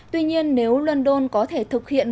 tuy nhiên nếu london có thể thực hiện